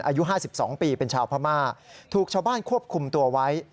อายุ๕๒ปีเป็นชาวพม่าถูกชาวบ้านควบคุมตัวไว้